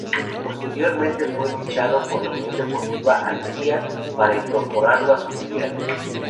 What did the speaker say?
Posteriormente fue fichado por la Unión Deportiva Almería para incorporarlo a su filial.